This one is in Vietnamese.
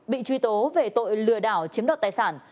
bị truy tố về tội lừa đảo chiếm đoạt tài sản